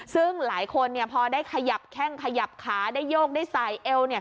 ซึ่งหลายคนพอได้ขยับแข้งขยับขาได้โยกได้ใส่เอว